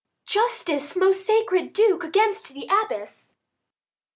Adr. Justice, most sacred Duke, against the abbess!